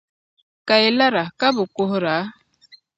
Ka yi lara, ka bi kuhira?